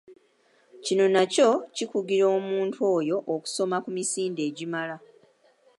Kino nakyo kikugira omuntu oyo okusoma ku misinde egimala.